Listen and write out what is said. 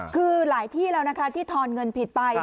คือหลายที่แล้วนะคะที่ทอนเงินผิดไป